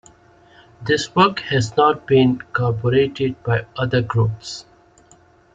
This work has not been corroborated by other groups.